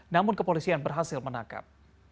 namun kepolisian berhasil menangkap